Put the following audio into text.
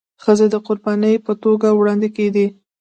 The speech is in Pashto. ښځي د قرباني په توګه وړاندي کيدي.